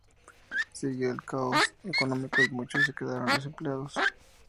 Surgió el caos económico y muchos se quedaron desempleados.